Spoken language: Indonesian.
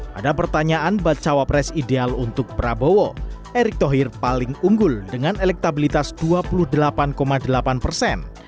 pada pertanyaan bacawa pres ideal untuk prabowo erick thohir paling unggul dengan elektabilitas dua puluh delapan delapan persen